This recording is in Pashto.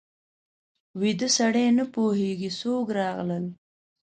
ویده سړی نه پوهېږي څوک راغلل